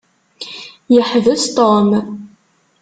Yeḥbes Tom.